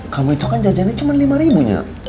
kamu itu kan jajannya cuman lima ribunya